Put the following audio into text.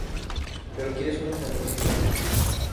Pero ¿quienes son los favorecidos?